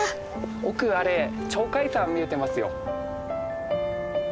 奥あれ鳥海山見えてますよ。